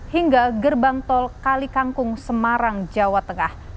hingga gerbang tol kalikangkung semarang jawa tengah